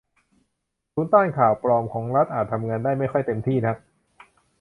ศูนย์ต้านข่าวปลอมของรัฐอาจทำงานได้ไม่ค่อยเต็มที่นัก